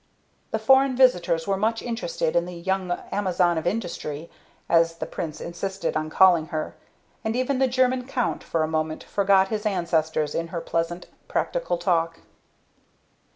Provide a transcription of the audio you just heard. The foreign visitors were much interested in the young Amazon of Industry, as the Prince insisted on calling her; and even the German Count for a moment forgot his ancestors in her pleasant practical talk.